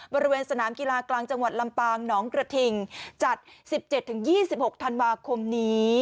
บริเวณสนามกีฬากลางจังหวัดลำปางหนองกระทิงจัด๑๗๒๖ธันวาคมนี้